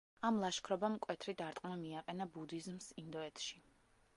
ამ ლაშქრობამ მკვეთრი დარტყმა მიაყენა ბუდიზმს ინდოეთში.